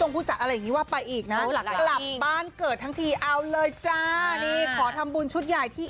ฮูจะอีกนะจราบบ้านเกิดทั้งทีเอาเล่อจ้านี่ขอทำมุณชุดใหญ่ที่